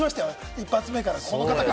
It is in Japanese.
一発目からこの方か！